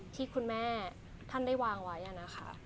ที่คุณแม่ท่านได้วางไว้นะคะ